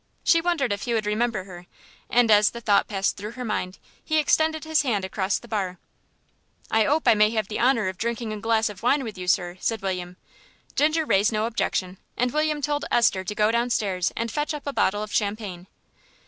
She wondered if he would remember her, and as the thought passed through her mind he extended his hand across the bar. "I 'ope I may have the honour of drinking a glass of wine with you, sir," said William. Ginger raised no objection, and William told Esther to go down stairs and fetch up a bottle of champagne.